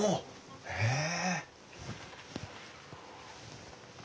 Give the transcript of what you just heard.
へえ。